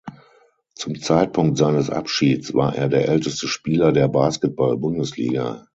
Zum Zeitpunkt seines Abschieds war er der älteste Spieler der Basketball-Bundesliga.